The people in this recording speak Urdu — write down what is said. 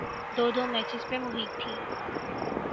دو دو میچز پہ محیط تھیں۔